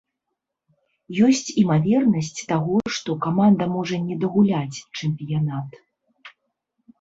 Ёсць імавернасць таго, што каманда можа не дагуляць чэмпіянат.